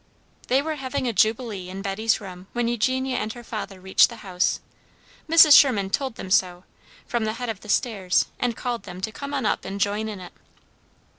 They were having a jubilee in Betty's room when Eugenia and her father reached the house. Mrs. Sherman told them so, from the head of the stairs and called them to come on up and join in it.